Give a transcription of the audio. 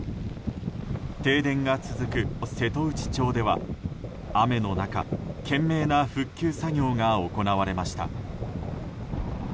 停電が続く瀬戸内町では雨の中、懸命な復旧作業が行われました。